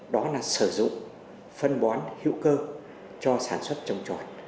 đó là sử dụng phân bón hữu cơ cho sản xuất trồng trọt